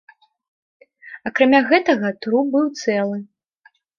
Акрамя гэтага труп быў цэлы.